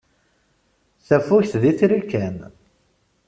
Tafukt d itri kan.